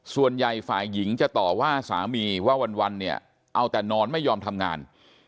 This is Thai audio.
ส่วนใหญ่ฝ่ายหญิงจะต่อว่าสามีว่าวันเนี่ยเอาแต่นอนไม่ยอมทำงาน